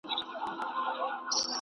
ما پرون په یوې نوې ستونزې کار وکړ.